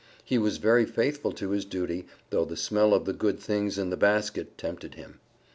He was very faithful to his duty, though the smell of the good things in the basket tempted him.